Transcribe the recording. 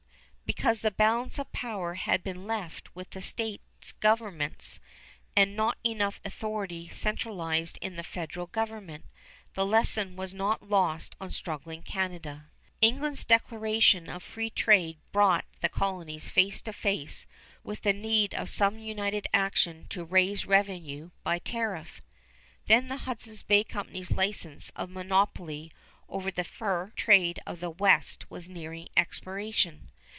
Because the balance of power had been left with the states governments, and not enough authority centralized in the federal government. The lesson was not lost on struggling Canada. England's declaration of free trade brought the colonies face to face with the need of some united action to raise revenue by tariff. Then the Hudson's Bay Company's license of monopoly over the fur trade of the west was nearing expiration.